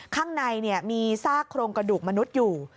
ข้างในมีซากโครงกระดูกมนุษย์อยู่